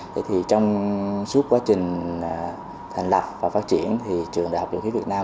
thế thì trong suốt quá trình thành lập và phát triển thì trường đại học dầu khí việt nam